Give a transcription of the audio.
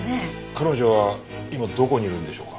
彼女は今どこにいるんでしょうか？